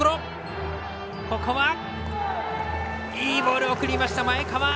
いいボールを送りました、前川。